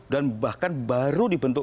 dan bahkan baru dibentuk